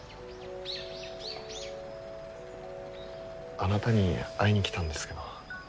あなたに会いに来たんですけど。